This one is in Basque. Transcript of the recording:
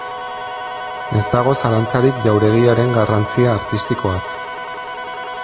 Ez dago zalantzarik jauregiaren garrantzia artistikoaz.